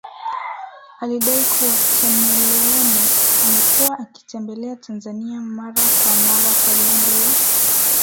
alidai kuwa Chameleone amekuwa akitembelea Tanzania mara kwa mara kwa lengo la